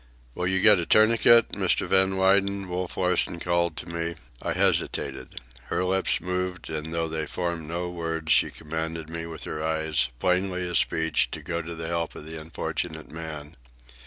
"Will you get a tourniquet, Mr. Van Weyden," Wolf Larsen called to me. I hesitated. Her lips moved, and though they formed no words, she commanded me with her eyes, plainly as speech, to go to the help of the unfortunate man.